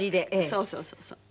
そうそうそうそう。